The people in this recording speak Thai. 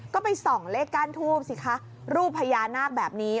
ก็ไปส่องเลขก้านทูบสิคะรูปพญานาคแบบนี้